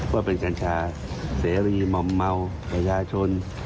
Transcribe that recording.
เพื่อเป็นการชาเสรีหม่อมเมาประชาชน